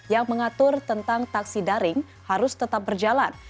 yang mengatur tentang taksi daring harus tetap berjalan